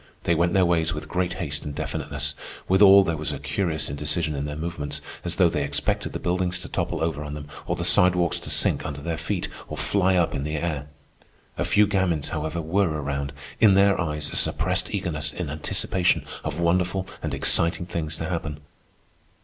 They went their ways with great haste and definiteness, withal there was a curious indecision in their movements, as though they expected the buildings to topple over on them or the sidewalks to sink under their feet or fly up in the air. A few gamins, however, were around, in their eyes a suppressed eagerness in anticipation of wonderful and exciting things to happen.